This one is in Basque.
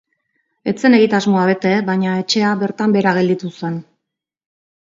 Ez zen egitasmoa bete baina etxea bertan behera gelditu zen.